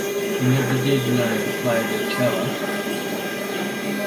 He never did learn to play the cello.